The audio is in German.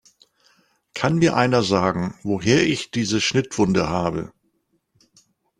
Kann mir einer sagen, woher ich diese Schnittwunde habe?